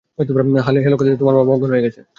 Hello, Khadija, তোমার বাবা অজ্ঞান হয়ে গেছে।